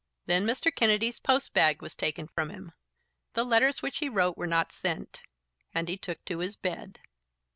Then Mr. Kennedy's post bag was taken from him; the letters which he wrote were not sent; and he took to his bed.